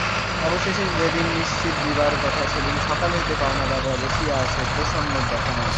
অবশেষে যেদিন নিশ্চিত দিবার কথা সেদিন সকাল হইতে পাওনাদাররা বসিয়া অছে, প্রসন্নর দেখা নাই।